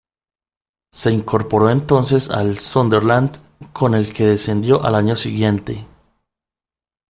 Se incorporó entonces al Sunderland, con el que descendió al año siguiente.